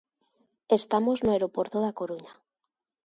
Estamos no aeroporto da Coruña.